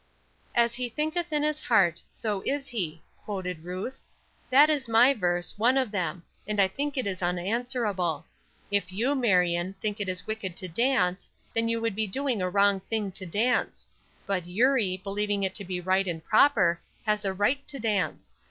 "'As he thinketh in his heart, so is he,'" quoted Ruth. "That is my verse, one of them; and I think it is unanswerable. If you, Marion, think it is wicked to dance, then you would be doing a wrong thing to dance; but, Eurie, believing it to be right and proper, has a right to dance.